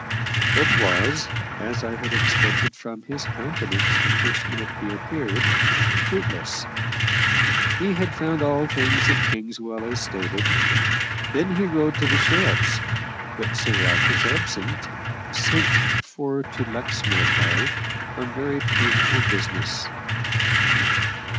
It was as I had expected from his countenance the first minute he appeared fruitless. He had found all things at Kingswell as stated. Then he rode to the sheriff's; but Sir Ralph was absent, sent for to Luxmore Hall on very painful business.